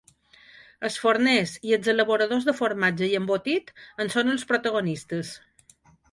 Els forners i els elaboradors de formatge i embotit en són els protagonistes.